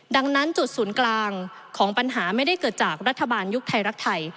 ดังนั้นจุดศูนย์กลางของปัญหาไม่ได้เกิดจากรัฐบาลยุคไทยรักไทย